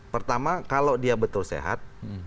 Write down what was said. pertama kalau dia betul sehat